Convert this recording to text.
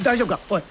おい！